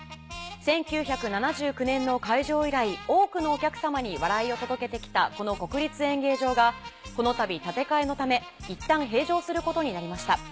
１９７９年の開場以来多くのお客さまに笑いを届けてきたこの国立演芸場がこのたび建て替えのためいったん閉場することになりました。